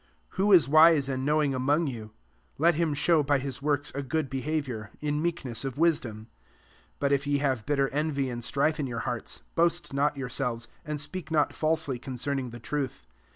13 Who w wise and knowing among you? Let him show by his works a good behaviour, in meekness of wisdom. 14 But if ye have bitter envy and strife in your hearts, boast not yourselves, and speak not false ly concerning the truth.